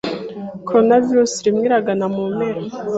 Corona virus irimo iragana mumpera